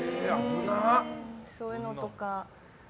そういうのとか。